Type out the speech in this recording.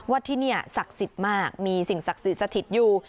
ว่าที่นี่อ่ะศักดิ์สิทธิ์มากมีสิ่งศักดิ์สถิตย์อยู่